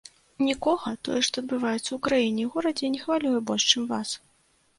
Нікога тое, што адбываецца ў краіне і горадзе, не хвалюе больш, чым вас.